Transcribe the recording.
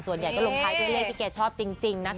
ส่วนใหญ่ก็ลงท้ายเลขที่ชอบด้วยนะคะ